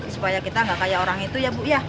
supaya kita gak kaya orang itu ya bu ya